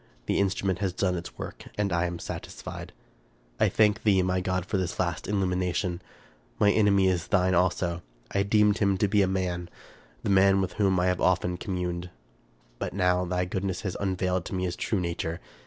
The instrument has done its work, and I am satisfied. " I thank thee, my God, for this last illumination ! My enemy is thine also. I deemed him to be a man, — the man with whom I have often communed ; but now thy goodness has unveiled to me his true nature.